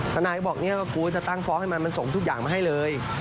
ทนายก็บอกเนี่ยว่ากูจะตั้งฟ้องให้มันมันส่งทุกอย่างมาให้เลย